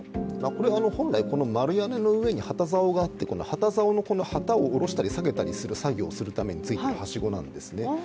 これ、本来この丸屋根の上に旗ざおがあって、この旗ざおの旗を降ろしたりするためについているはしごなんですね。